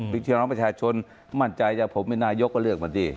ประชาชนมั่นใจนะผมเป็นนายก็เลือกมันดี